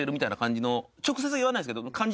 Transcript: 直接言わないんですけど。